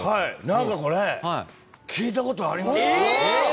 何かこれ聞いたことあります。